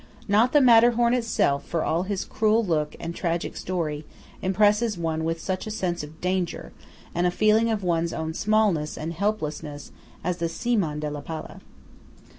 Not the Matterhorn itself, for all its cruel look and tragic story, impresses one with such a sense of danger, and such a feeling of one's own smallness and helplessness, as the Cimon della Pala.